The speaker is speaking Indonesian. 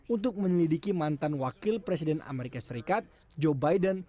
untuk menyelidiki mantan wakil presiden amerika serikat joe biden